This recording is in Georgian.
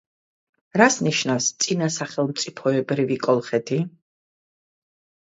რას ნიშნავს "წინარესახელმწიფოებრივი კოლხეთი"?